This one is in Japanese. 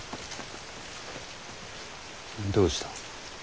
どうした？